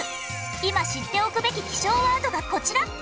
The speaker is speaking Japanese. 今知っておくべき気象ワードがこちら。